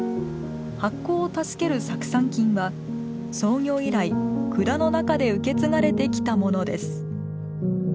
発酵を助ける酢酸菌は創業以来蔵の中で受け継がれてきたものです